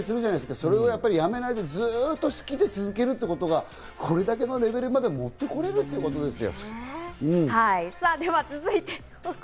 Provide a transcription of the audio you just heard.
それをやめないで、好きで続けるってことはこれまでの、これだけのレベルまで持っていけるということですよ。